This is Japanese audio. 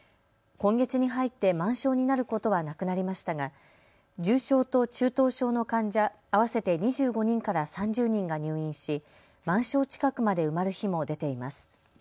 今月に入って満床になることはなくなりましたが重症と中等症の患者、合わせて２５人から３０人が入院し満床近くまで埋まる日も出ています。